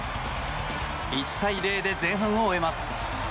１対０で前半を終えます。